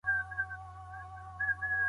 د مړيني په صورت کي مهر له کوم ځای ورکول کيږي؟